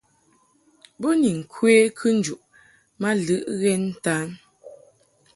Bo ni ŋkwe kɨnjuʼ ma lɨʼ ghɛn ntan.